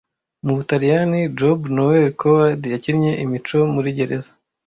Mu Butaliyani Job Noel Coward yakinnye imico muri gereza